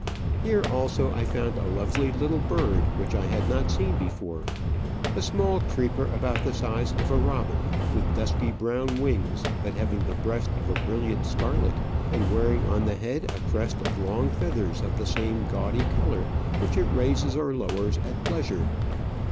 Here also I found a lovely little bird which I had not seen before — a small creeper about the size of a robin, with dusky brown wings, but having the breast of a brilliant scarlet, and wearing on the head a crest of long feathers of the same gaudy colour, which it raises or lowers at pleasure.